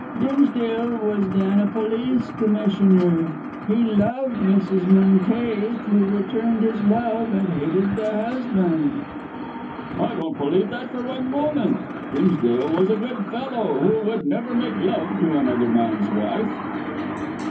Dimsdale was then a police commissioner. He loved Mrs. Menteith, who returned his love, and hated the husband." "I don't believe that for one moment. Dimsdale was a good fellow, who would never make love to another man's wife."